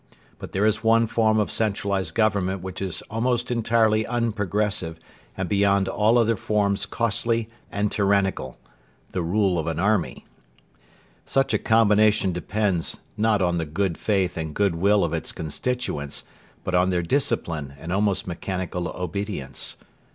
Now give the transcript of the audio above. But there is one form of centralised government which is almost entirely unprogressive and beyond all other forms costly and tyrannical the rule of an army. Such a combination depends, not on the good faith and good will of its constituents, but on their discipline and almost mechanical obedience.